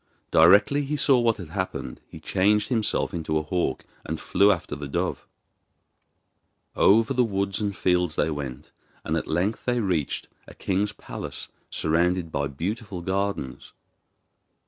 Directly he saw what had happened he changed himself into a hawk and flew after the dove. Over the woods and fields they went, and at length they reached a king's palace surrounded by beautiful gardens.